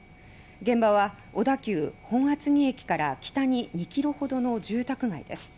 現場は小田急本厚木駅から北に２ｋｍほどの住宅街です。